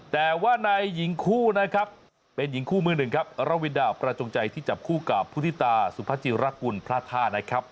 แต่ว่าในหญิงคู่นะครับเป็นหญิงคู่มือหนึ่งครับระวินดาประจงใจที่จับคู่กับพุทธิตาสุภาจิรกุลพระธาตุนะครับ